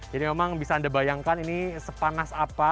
jadi memang bisa anda bayangkan ini sepanas apa